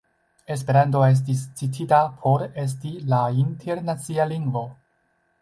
Esperanto estis citita por esti la internacia lingvo.